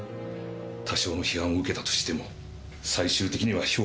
多少の批判を受けたとしても最終的には評価される。